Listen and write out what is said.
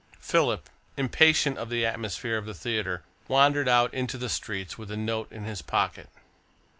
Philip, impatient of the atmosphere of the theatre, wandered out into the streets with the note in his pocket.